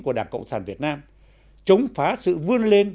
của đảng cộng sản việt nam chống phá sự vươn lên